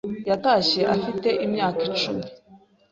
Yatashye afite imyaka icumi.